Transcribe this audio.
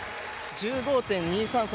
１５．２３３